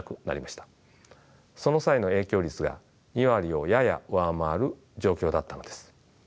その際の影響率が２割をやや上回る状況だったのです。